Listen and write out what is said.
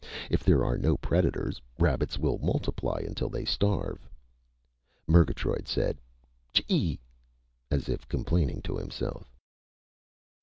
If there are no predators, rabbits will multiply until they starve." Murgatroyd said, "Chee!" as if complaining to himself.